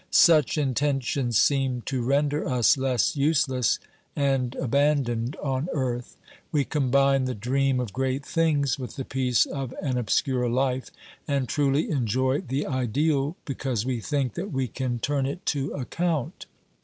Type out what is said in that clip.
Such intentions seem to render us less useless and abandoned on earth ; we combine the dream of great things with the peace of an obscure life, and truly enjoy the ideal because we think that we can turn it to account.